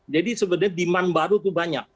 jadi sebenarnya demand baru itu banyak